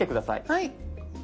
はい。